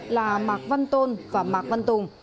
là mạc văn tôn và mạc văn tùng